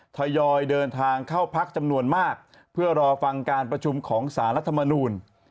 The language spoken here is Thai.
ทยอยเดินทางเข้าพักจำนวนมากเพื่อรอฟังการประชุมของสารรัฐมนูล